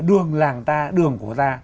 đường làng ta đường của ta